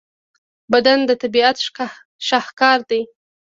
بدن د طبیعت شاهکار دی.